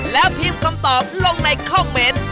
แล้วพิมพ์คำตอบลงในคอมเมนต์